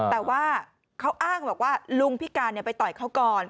แต่ว่าเขาอ้างบอกว่าลุงพิการไปต่อยเขาก่อน